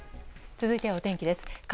続いてはお天気です。